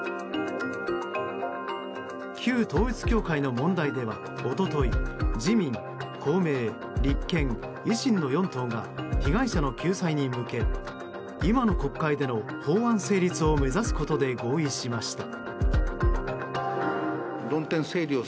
旧統一教会の問題では、一昨日自民・公明、立憲・維新の４党が被害者の救済に向け今の国会での法案成立を目指すことで合意しました。